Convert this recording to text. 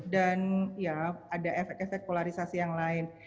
dan ya ada efek efek polarisasi yang lain